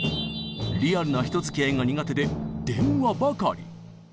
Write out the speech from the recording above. リアルな人づきあいが苦手で電話ばかり。